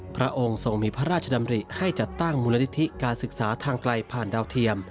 พระองค์ทรงมีพระราชดำริให้จัดตั้งมูลนิธิการศึกษาทางไกลผ่านดาวเทียม